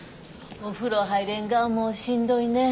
お風呂入れんがもうしんどいねえ。